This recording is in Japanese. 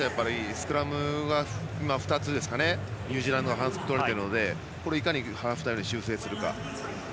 スクラムが２つニュージーランドの反則をとれているのでいかにハーフタイムに修正するか。